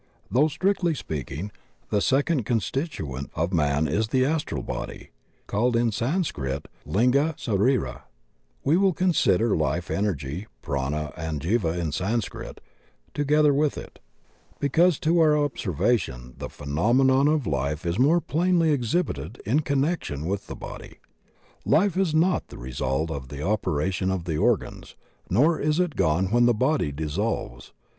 Although, strictly speaking, the second constituent of man is the Astral Body (called in Sanscrit Linga Sarira) we will consider Life Energy (Prana and Jiva in Sanscrit) together with it, because to our ob servation the phenomenon of life is more plainly ex hibited in connection with the body. Life is not the result of the operation of the organs, nor is it gone when the body dissolves.